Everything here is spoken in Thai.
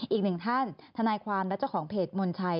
อีกหนึ่งท่านทนายความและเจ้าของเพจมนชัย